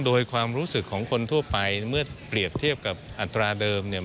โดยความรู้สึกของคนทั่วไปเมื่อเปรียบเทียบกับอัตราเดิมเนี่ย